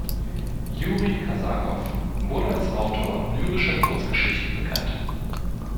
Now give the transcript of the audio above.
Jurij Kasakow wurde als Autor lyrischer Kurzgeschichten bekannt.